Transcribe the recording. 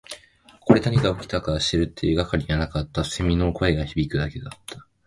ここで何が起きたのかを知る手がかりはなかった。蝉の声が響くだけだった。